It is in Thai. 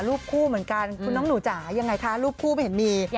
รูปคู่เหมือนกันคุณน้องหนูจ๋ายังไงคะรูปคู่ไม่เห็นมี